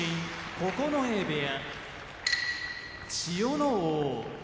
九重部屋千代ノ皇